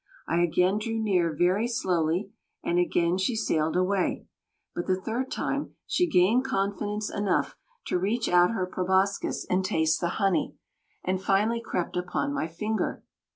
I again drew near very slowly, and again she sailed away, but the third time she gained confidence enough to reach out her proboscis and taste the honey, and finally crept upon my finger.